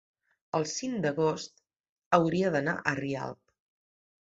el cinc d'agost hauria d'anar a Rialp.